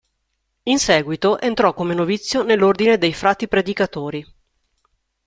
In seguitò entrò come novizio nell'Ordine dei frati predicatori.